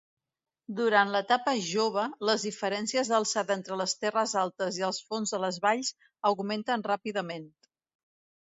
Durant l'etapa "jove" les diferències d'alçada entre les terres altes i els fons de les valls augmenten ràpidament.